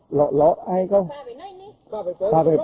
เหลืองเท้าอย่างนั้น